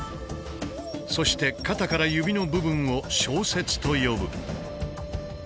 そして肩から指の部分を「梢節」と呼ぶ。